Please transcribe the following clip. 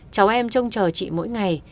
cháu em trông chờ chị mỗi ngày